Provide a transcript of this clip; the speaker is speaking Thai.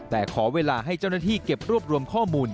แต่ขอเวลาให้เจ้าหน้าที่เก็บรวบรวมข้อมูล